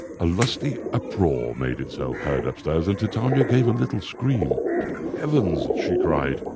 A lusty uproar made itself heard upstairs and Titania gave a little scream. "Heavens!" she cried.